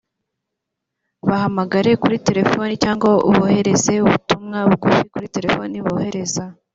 bahamagara kuri telefoni cyangwa bohereza ubutumwa bugufi kuri telefoni bohereza